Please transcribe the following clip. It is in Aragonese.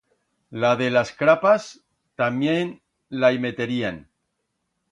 La de las crapas tamién la i meterían.